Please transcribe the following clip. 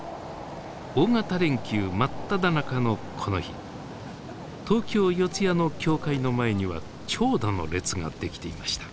大型連休真っただ中のこの日東京・四谷の教会の前には長蛇の列ができていました。